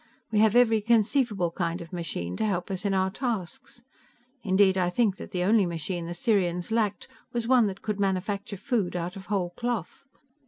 We have every conceivable kind of machine to help us in our tasks. Indeed, I think that the only machine the Sirians lacked was one that could manufacture food out of whole cloth.